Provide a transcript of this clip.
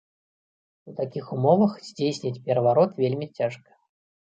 У такіх умовах здзейсніць пераварот вельмі цяжка.